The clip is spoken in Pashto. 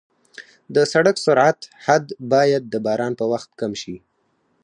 د سړک سرعت حد باید د باران په وخت کم شي.